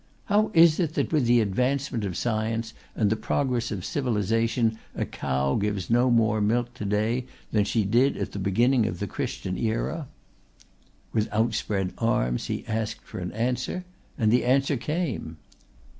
"How is it that with the advancement of science and the progress of civilization a cow gives no more milk to day than she did at the beginning of the Christian era?" With outspread arms he asked for an answer and the answer came.